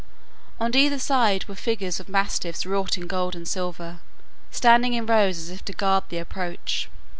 On either side were figures of mastiffs wrought in gold and silver, standing in rows as if to guard the approach.